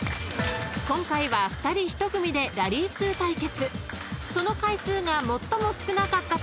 ［今回は２人１組でラリー数対決］